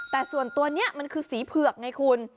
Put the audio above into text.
แต่ส่วนตัวนี้มันคือสีเผือกไงคุณ